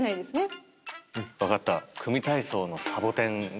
分かった。